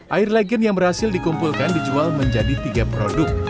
air legen yang berhasil dikumpulkan dijual menjadi tiga produk